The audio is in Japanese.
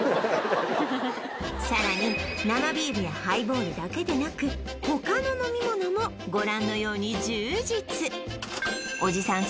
さらに生ビールやハイボールだけでなく他の飲み物もご覧のように充実おじさん